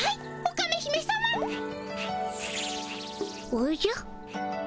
おじゃ。